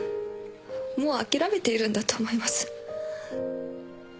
もう諦めているんだと思います。